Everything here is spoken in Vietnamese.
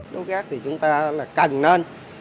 đốt rác thì chúng ta cần nên